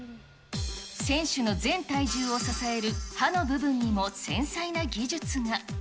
選手の全体重を支える刃の部分にも繊細な技術が。